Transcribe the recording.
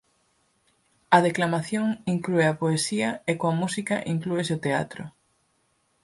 A declamación inclúe a poesía e coa música inclúese o teatro.